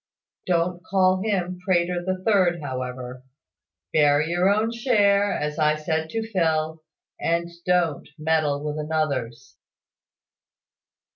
"Don't call him `Prater the third,' however. Bear your own share, as I said to Phil, and don't meddle with another's."